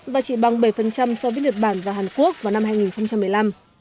và chỉ bằng bảy so với nhật bản và hàn quốc vào năm hai nghìn một mươi năm